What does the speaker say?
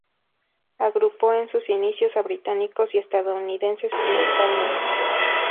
Agrupó en sus inicios a británicos y estadounidenses, principalmente.